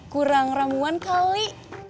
kurang ramuan kali